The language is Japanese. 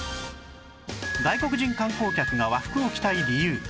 外国人観光客が和服を着たい理由